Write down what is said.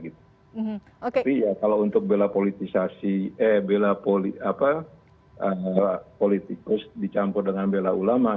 tapi ya kalau untuk bela politikus dicampur dengan bela ulama